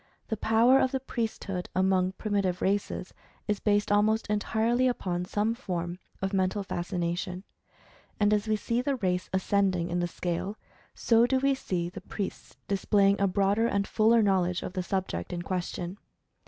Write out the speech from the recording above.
The power of the priesthood among primitive races, is based almost entirely upon some form of Mental Fascination. And, as we see the race ascending in the scale, so do we see the priests displaying a broader and fuller knowl edge of the subject in question.